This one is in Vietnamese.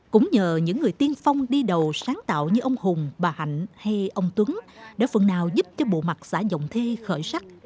cũng nhờ những người tiên phong đi đầu sáng tạo như ông hùng bà hạnh hay ông tuấn đã phần nào giúp cho bộ mặt xã dòng thê khởi sắc